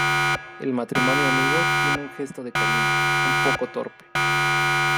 El matrimonio amigo tiene un gesto de cariño, un poco torpe.